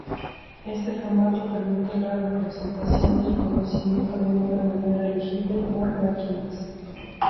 Este formato permite la representación del conocimiento de una manera legible por máquinas.